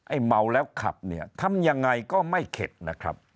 เมาแล้วขับเนี่ยทำยังไงก็ไม่เข็ดนะครับ